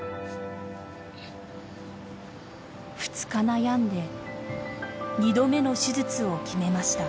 ２日悩んで２度目の手術を決めました。